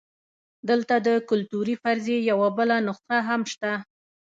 دلته د کلتوري فرضیې یوه بله نسخه هم شته.